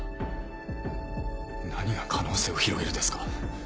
何が「可能性を広げる」ですか。